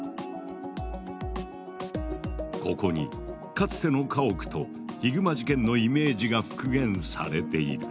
ここにかつての家屋とヒグマ事件のイメージが復元されている。